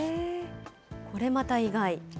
これまた意外。